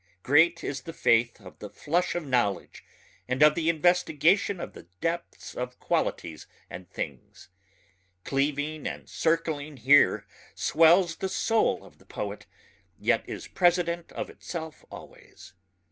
Great is the faith of the flush of knowledge and of the investigation of the depths of qualities and things. Cleaving and circling here swells the soul of the poet yet is president of itself always.